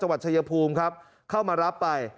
จังหวัดเศยภูมิครับเข้ามารับไป